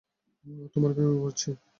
তোমার প্রেমে পড়ছি।